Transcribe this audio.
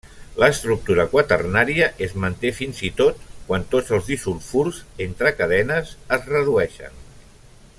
L'estructura quaternària es manté fins i tot quan tots els disulfurs entre cadenes es redueixen.